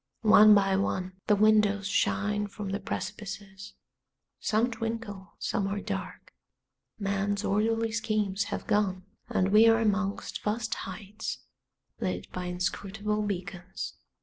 One by one the windows shine from the precipices; some twinkle, some are dark; man's orderly schemes have gone, and we are amongst vast heights lit by inscrutable beacons.